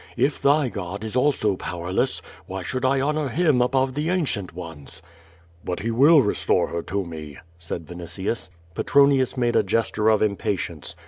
If thy God is also power less, why should I honor Him above the ancient ones?" "But He will restore her to me," said Yinitius. Petronius made a gesture of impatience.